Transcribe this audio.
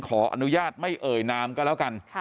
ขออนุญาตไม่เอ่ยนามก็แล้วกัน